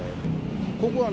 ここはね